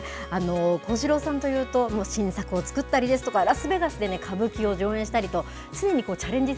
幸四郎さんというと、もう新作を作ったりですとか、ラスベガスで歌舞伎を上演したりと、常にチャレンジ